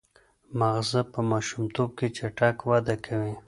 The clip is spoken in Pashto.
ماغزه په ماشومتوب کې چټک وده کوي.